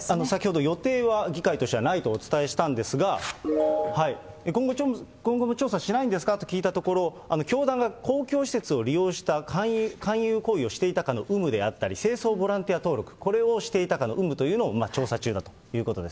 先ほど予定は議会としてはないとお伝えしたんですが、今後も調査しないんですかと聞いたところ、教団が公共施設を利用した勧誘行為をしていたかの有無であったり、清掃ボランティア登録、これをしていたかの有無というのを調査中だということです。